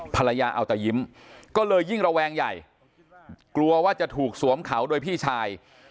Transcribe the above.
ภรรยาเอาแต่ยิ้มก็เลยยิ่งระแวงใหญ่กลัวว่าจะถูกสวมเขาโดยพี่ชาย